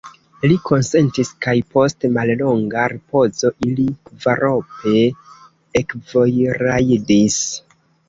Li konsentis, kaj post mallonga ripozo ili kvarope ekvojrajdis.